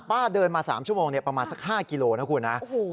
ป้าเดินมาสามชั่วโมงเนี้ยประมาณสักห้ากิโลนะคุณนะโอ้โห